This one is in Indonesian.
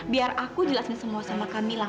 biar aku jelasin semua sama kamila